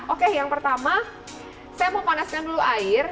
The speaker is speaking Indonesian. oke yang pertama saya mau panaskan dulu air